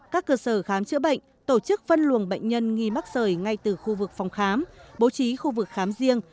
các cơ sở khám chữa bệnh tổ chức phân luồng bệnh nhân nghi mắc sợi ngay từ khu vực phòng khám bố trí khu vực khám riêng